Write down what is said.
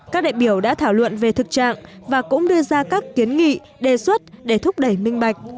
các đại biểu đã thảo luận về thực trạng và cũng đưa ra các kiến nghị đề xuất để thúc đẩy minh bạch